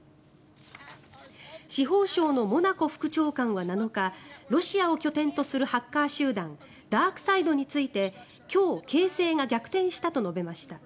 司法省のモナコ副長官は７日ロシアを拠点とするハッカー集団ダークサイドについて今日、形勢が逆転したと述べました。